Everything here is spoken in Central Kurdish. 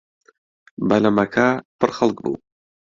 بەلەمەکە پڕ خەڵک بوو.